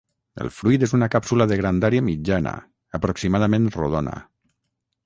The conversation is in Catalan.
El fruit és una càpsula de grandària mitjana, aproximadament rodona.